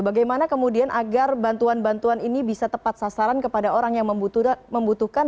bagaimana kemudian agar bantuan bantuan ini bisa tepat sasaran kepada orang yang membutuhkan